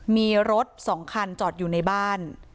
มีรถ๒คันจอดอยู่ในบ้าน